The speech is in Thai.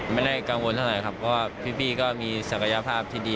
ไม่ได้กังวลเท่าไหร่ครับเพราะว่าพี่ก็มีศักยภาพที่ดี